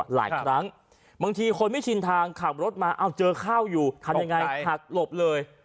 หลายครั้งบางทีคนไม่ชินทางขับรถมาเอาเจอข้าวอยู่ทำยังไงหักหลบเลย